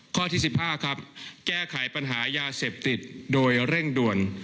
ข้อที่๑๕ครับแก้ไขปัญหายาเสพติดโดยเร่งด่วน